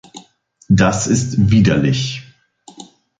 Das ist widerlich.